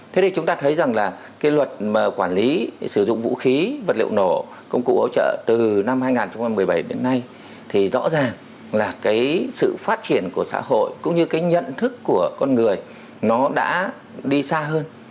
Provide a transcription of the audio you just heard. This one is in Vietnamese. thế thì chúng ta thấy rằng là cái luật mà quản lý sử dụng vũ khí vật liệu nổ công cụ ấu trợ từ năm hai nghìn một mươi bảy đến nay thì rõ ràng là cái sự phát triển của xã hội cũng như cái nhận thức của con người nó đã đi xa hơn